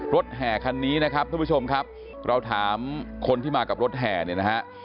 แห่คันนี้นะครับท่านผู้ชมครับเราถามคนที่มากับรถแห่เนี่ยนะฮะ